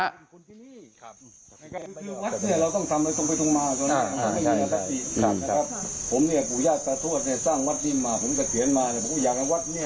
แกนี้คือวัดเนี่ยเราต้องทำอะไรตรงไปตรงมาใช่ไหมใช่คัตตีหรือ